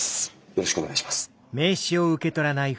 よろしくお願いします。